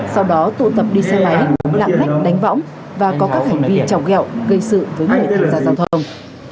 sau đó tụ tập đi xe máy lặng lách đánh võng và có các hành vi chọc ghẹo gây sự với người tham gia giao thông